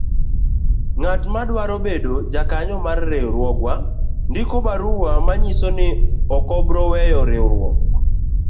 Ng'atma dwaro bedo jakanyo mar riwruogwa ndiko barua manyiso ni okobro weyo riwruok.